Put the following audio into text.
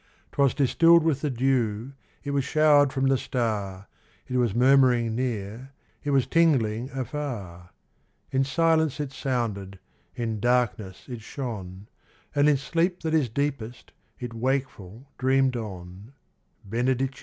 'Twas distilled with the dew, it was showered from the star, It was murmuring near, it was tingling afar ; In silence it sounded, in darkness it shone, And in sleep that is deepest it wakeful dreamed on, Benedicite.